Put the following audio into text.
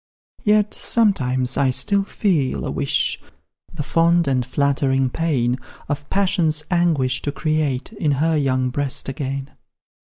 "Yet, sometimes, I still feel a wish, The fond and flattering pain Of passion's anguish to create In her young breast again.